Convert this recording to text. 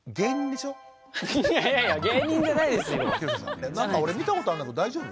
いやいやいやなんか俺見たことあんだけど大丈夫？